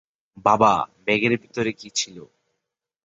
বাবা, ব্যাগের ভিতরে কী ছিল?